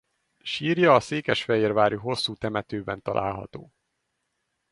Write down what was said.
Sírja a székesfehérvári Hosszú-temetőben található.